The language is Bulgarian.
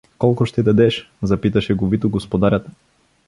— Колко ще дадеш? — запита шеговито господарят.